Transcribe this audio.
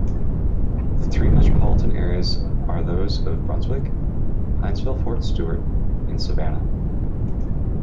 The three metropolitan areas are those of Brunswick, Hinesville-Fort Stewart, and Savannah.